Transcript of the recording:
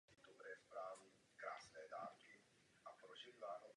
Takže žádné legrácky!